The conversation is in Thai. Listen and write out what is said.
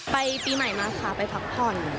ปีใหม่มาค่ะไปพักผ่อน